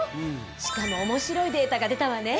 しかも面白いデータが出たわね。